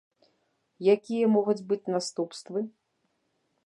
Якія могуць быць наступствы?